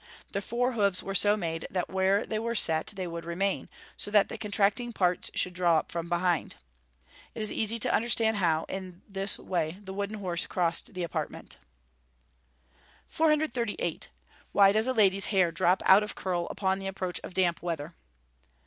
The fore hoofs were so made that where they were set they would remain, so that the contracting parts should draw up from behind. It is easy to understand how, in this way, the wooden horse crossed the apartment. 438. _Why does ladies' hair drop out of curl upon the approach of damp weather?